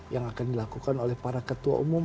yang akan dilakukan oleh para ketua umum